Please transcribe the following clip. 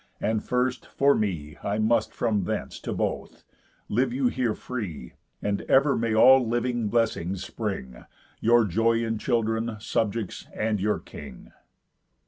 And, first, for me, I must from hence, to both: Live you here free, And ever may all living blessings spring, Your joy in children, subjects, and your king."